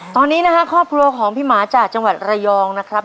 ตอนนี้นะครับครอบครัวของพี่หมาจากจังหวัดระยองนะครับ